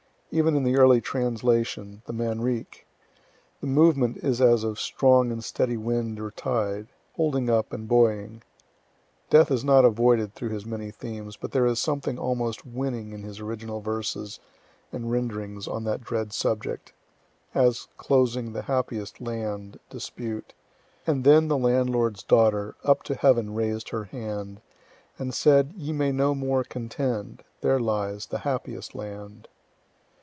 Even in the early translation, the Manrique, the movement is as of strong and steady wind or tide, holding up and buoying. Death is not avoided through his many themes, but there is something almost winning in his original verses and renderings on that dread subject as, closing "the Happiest Land" dispute, And then the landlord's daughter Up to heaven rais'd her hand, And said, "Ye may no more contend, There lies the happiest land."